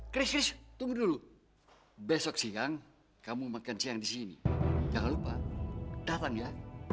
kris tunggu dulu besok siang kamu makan siang di sini jangan lupa kapan ya